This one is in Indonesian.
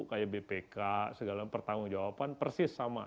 kayak bpk segala pertanggung jawaban persis sama